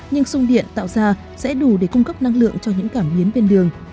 nhưng sung điện tạo ra sẽ đủ để cung cấp năng lượng cho những cảm biến bên đường